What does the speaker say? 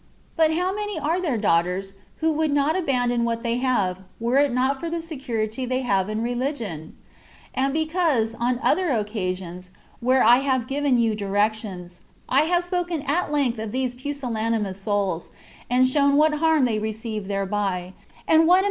But how many are there, daughters, who would not abandon what they have, were it not for the security they have in religion? And because, on other occasions, where I have given you directions, I have spoken at length I of these pusillanimous souls, and shown what harm they receive thereby, and what im *" Una obra virtuosa sea principio de mucbo mal" &c.